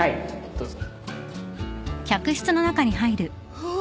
どうぞ。